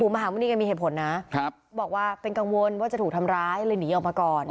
มหามณีก็มีเหตุผลนะบอกว่าเป็นกังวลว่าจะถูกทำร้ายเลยหนีออกมาก่อน